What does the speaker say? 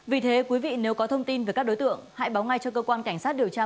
vì thế quý vị nếu có thông tin về các đối tượng hãy báo ngay cho cơ quan cảnh sát điều tra